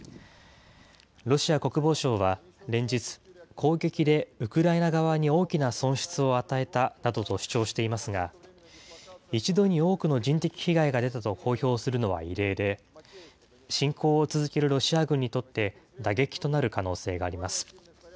ロシア国防省は連日、攻撃でウクライナ側に大きな損失を与えたなどと主張していますが、一度に多くの人的被害が出たと公表するのは異例で、侵攻を続けるロシア軍にとって、打撃となる可能性があります。